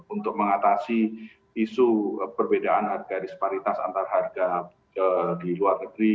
untuk mengatasi isu perbedaan harga disparitas antar harga di luar negeri